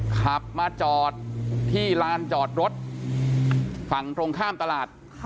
ขับมาจอดที่ลานจอดรถฝั่งตรงข้ามตลาด